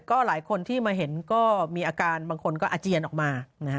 ก็หลายคนที่มาเห็นก็มีอาการบางคนก็อาเจียนออกมา